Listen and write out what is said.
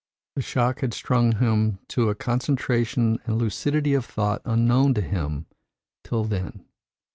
The shock had strung him to a concentration and lucidity of thought unknown to him till then.